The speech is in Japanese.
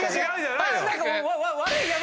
何か。